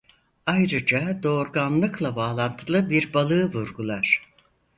Ayrıca doğurganlıkla bağlantılı bir balığı vurgular.